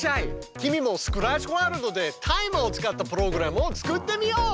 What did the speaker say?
君もスクラッチワールドでタイマーを使ったプログラムを作ってみよう！